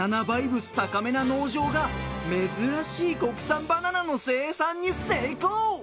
バイブス高めな農場が珍しい国産バナナの生産に成功。